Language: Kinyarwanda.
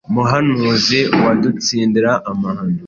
Muhanuzi wadutsindira amahano,